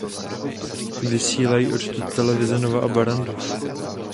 Vysílají odtud televize Nova a Barrandov.